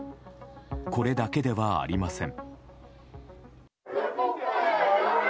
これだけではありません。